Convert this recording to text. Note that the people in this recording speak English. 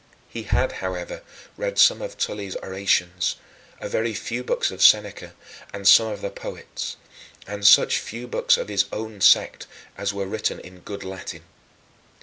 He had, however, read some of Tully's orations, a very few books of Seneca, and some of the poets, and such few books of his own sect as were written in good Latin.